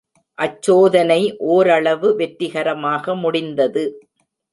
அச்சோதனை ஓரளவு வெற்றிகரமாக முடிந்தது.